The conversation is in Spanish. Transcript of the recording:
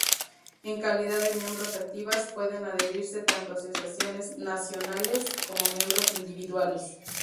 En calidad de miembros activas, pueden adherirse tanto asociaciones nacionales como miembros individuales.